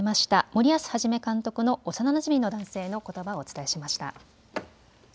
森保一監督の幼なじみの男性のことばをお伝えしました。